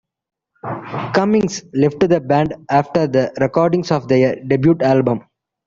Cummings left the band after the recording of their debut album !